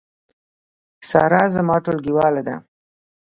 سارا زما ټولګیواله ده